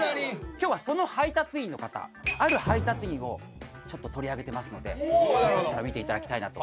今日はその配達員の方ある配達員をちょっと取り上げてますのでよかったら見ていただきたいなと。